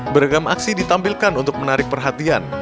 beragam aksi ditampilkan untuk menarik perhatian